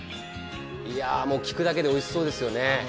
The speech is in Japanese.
いやもう聞くだけで美味しそうですよね。